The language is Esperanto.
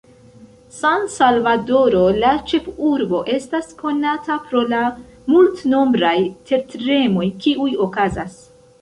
San-Salvadoro, la ĉefurbo, estas konata pro la multnombraj tertremoj kiuj okazas.